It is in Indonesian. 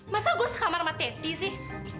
masa gue sekamar sama teddy sih